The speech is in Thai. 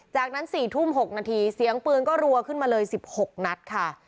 จากนั้น๔ทุ่ม๖นาทีเสียงปืนก็รัวขึ้นมาเลย๑๖นัดค่ะ